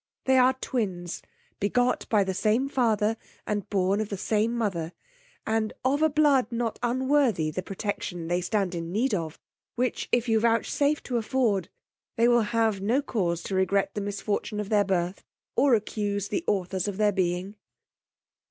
They are twins, begot by the same father, and born of the same mother, and of a blood not unworthy the protection they stand in need of; which if you vouchsafe to afford, they will have no cause to regret the misfortune of their birth, or accuse the authors of their being.